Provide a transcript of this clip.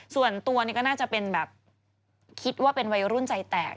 ส่วนตัวนี่ก็น่าจะเป็นแบบคิดว่าเป็นวัยรุ่นใจแตก